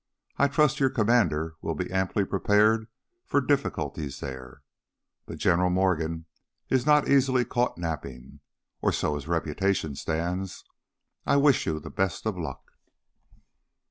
I trust your commander will be amply prepared for difficulties there. But General Morgan is not to be easily caught napping, or so his reputation stands. I wish you the best of luck."